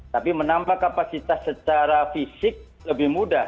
tapi menambah kapasitas secara fisik lebih mudah